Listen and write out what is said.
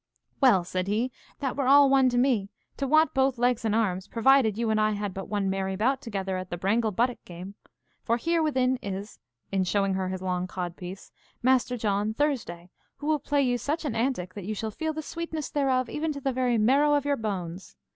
Well, said he, that were all one to me, to want both legs and arms, provided you and I had but one merry bout together at the brangle buttock game; for herewithin is in showing her his long codpiece Master John Thursday, who will play you such an antic that you shall feel the sweetness thereof even to the very marrow of your bones.